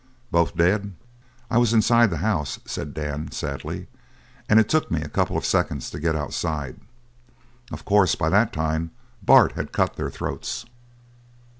"Both dead?" "I was inside the house," said Dan sadly, "and it took me a couple of seconds to get outside. Of course by that time Bart had cut their throats."